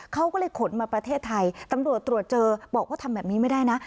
เขาก็เลยขนมาประเทศไทยตำรวจตรวจเจอบอกว่าทำแบบนี้ไม่ได้นะ